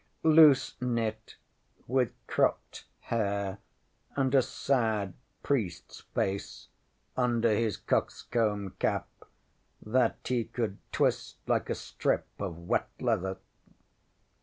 Loose knit, with cropped hair, and a sad priestŌĆÖs face, under his cockscomb cap, that he could twist like a strip of wet leather.